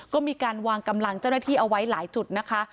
ก็มีการวางกำลังเจ้าหน้าที่เอาไว้หลายจุดนะคะ